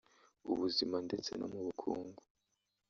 ubuzima ndetse no mu bukungu